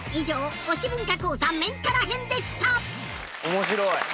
・面白い。